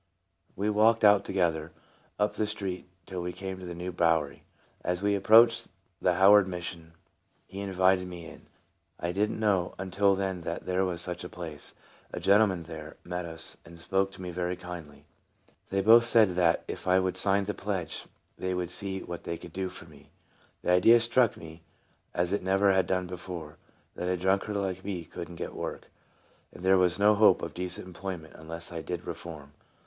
We walked out together, up the street, till we came to the New Bowery. As we ap proached the Howard Mission he invited me in. I didn't know until then that there was such a place. A gentleman there met us, and spoke to me very kindly. They both said that if I would sign the pledge they would see what they could do for me. The idea struck me as it never had done before, that a drunkard like me couldn't get work, and there was no hope of decent employment unless I did reform.